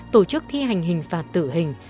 tổ chức thi hành hình phạt tử hình